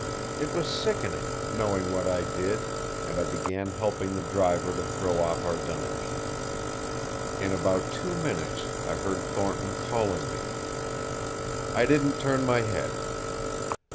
It was sickening, knowing what I did, and I began helping the driver to throw off our dunnage. In about two minutes I heard Thornton calling me. I didn't turn my head.